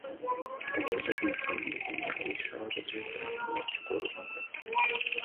Oila insonning dunyoviy saodatini ta'minlovchi qo‘rg‘ondir